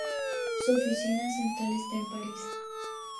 Su oficina central está en París.